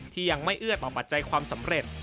ที่ยังไม่เอื้อต่อปัจจัยความสำเร็จ